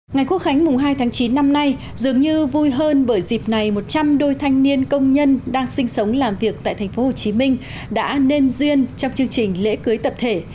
ngày quốc khánh mùng hai tháng chín năm nay dường như vui hơn bởi dịp này một trăm linh đôi thanh niên công nhân đang sinh sống làm việc tại tp hcm đã nên duyên trong chương trình lễ cưới tập thể